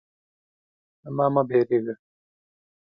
_له ما مه وېرېږه.